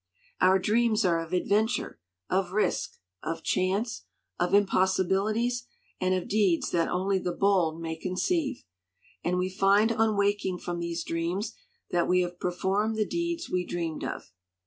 "Our dreams are of adventure, of risk, of chance, of impossibilities, and of deeds that only the bold may conceive. And we find on waking from these dreams that we have performed the deeds we dreamed of.